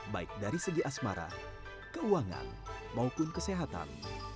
baik dari segi asmara keuangan maupun kesehatan